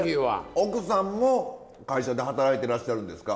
奥さんも会社で働いてらっしゃるんですか？